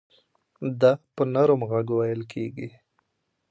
دا په نرم غږ وېل کېږي.